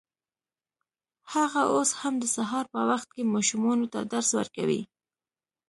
هغه اوس هم د سهار په وخت کې ماشومانو ته درس ورکوي